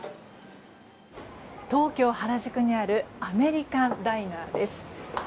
東京・原宿にあるアメリカンダイナーです。